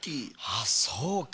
ああそうか。